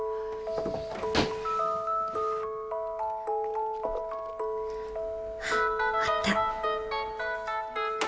あっあった。